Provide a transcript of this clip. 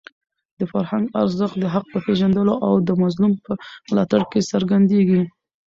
د فرهنګ ارزښت د حق په پېژندلو او د مظلوم په ملاتړ کې څرګندېږي.